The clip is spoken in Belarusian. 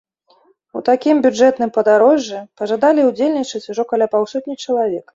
У такім бюджэтным падарожжы пажадалі ўдзельнічаць ужо каля паўсотні чалавек.